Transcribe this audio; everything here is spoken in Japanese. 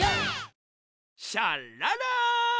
シャララン！